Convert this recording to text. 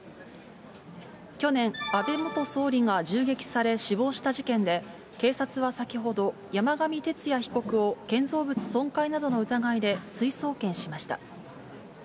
去年、安倍元総理が銃撃され、死亡した事件で、警察は先ほど、山上徹也被告を建造物損壊などの疑いで追送検しました。